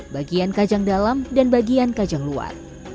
bagian kajang dalam dan bagian kajang luar